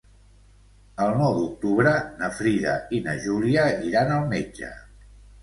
El nou d'octubre na Frida i na Júlia iran al metge.